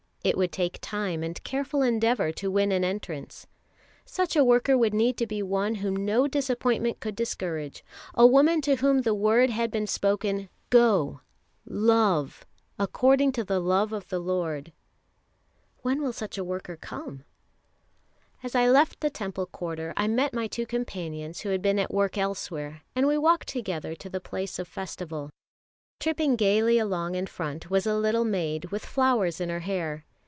It would take time and careful endeavour to win an entrance. Such a worker would need to be one whom no disappointment could discourage, a woman to whom the word had been spoken, "Go, love, ... according to the love of the Lord." When will such a worker come? As I left the Temple quarter, I met my two companions who had been at work elsewhere, and we walked together to the place of festival. Tripping gaily along in front was a little maid with flowers in her hair.